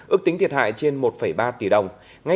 ước tính thiệt hại trên một ba tỷ đồng